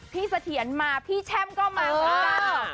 พี่สะเทียนมาพี่แช่มก็มากัน